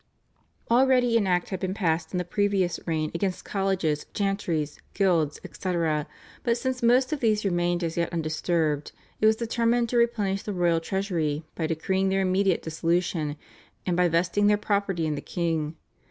Already an Act had been passed in the previous reign against colleges, chantries, guilds, etc., but since most of these remained as yet undisturbed, it was determined to replenish the royal treasury by decreeing their immediate dissolution, and by vesting their property in the king.